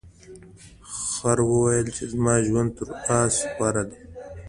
خر وویل چې زما ژوند تر اس غوره دی.